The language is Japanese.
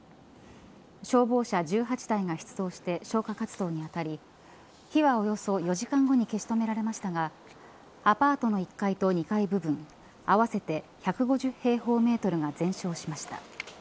消防車１８台が出動して消火活動に当たり火はおよそ４時間後に消し止められましたがアパートの１階と２階部分合わせて１５０平方メートルが全焼しました。